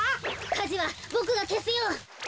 かじはボクがけすよ。